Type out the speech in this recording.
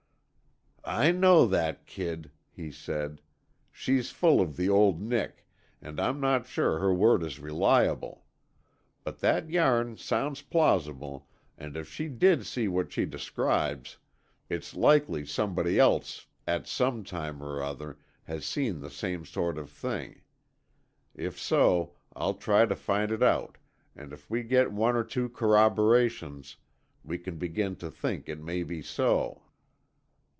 "I know that kid," he said. "She's full of the old Nick, and I'm not sure her word is reliable. But that yarn sounds plausible, and if she did see what she describes, it's likely somebody else at some time or other has seen the same sort of thing. If so, I'll try to find it out, and if we get one or two corroborations, we can begin to think it may be so."